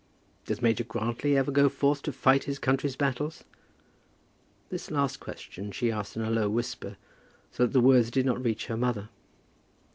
Does Major Grantly ever go forth to fight his country's battles?" This last question she asked in a low whisper, so that the words did not reach her mother.